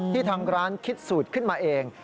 ทางร้านคิดสูตรขึ้นมาเอง